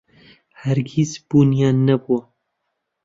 هەرگیز بوونیان نەبووە.